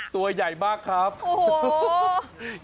ตัวใหญ่มากครับโอ้โห